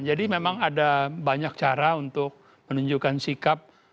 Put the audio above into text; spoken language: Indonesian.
memang ada banyak cara untuk menunjukkan sikap